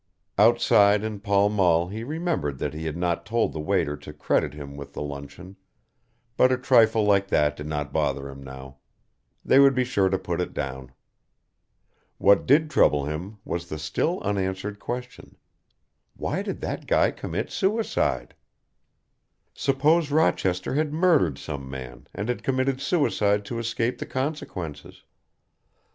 Outside in Pall Mall he remembered that he had not told the waiter to credit him with the luncheon, but a trifle like that did not bother him now. They would be sure to put it down. What did trouble him was the still unanswered question, "Why did that guy commit suicide?" Suppose Rochester had murdered some man and had committed suicide to escape the consequences?